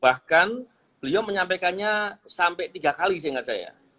bahkan beliau menyampaikannya sampai tiga kali saya ingat saya